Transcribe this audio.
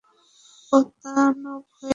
ও দানব হয়ে গেছে!